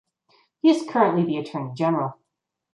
He is currently the Attorney General.